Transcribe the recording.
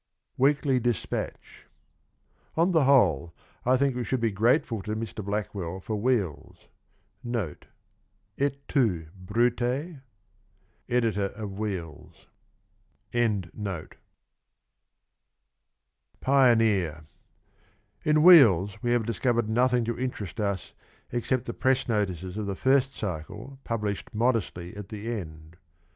100 WEEKLY DISPATCH. On the whole, I think we should be grateful to Mr. Blackwell for ' Wheels '.... [NOTE :' Et tu, Brute ?' Editor of ' Wheels '.] PIONEER. In W T heels ' we have discovered nothing to interest us except the press notices of the first cycle published modestly at the end.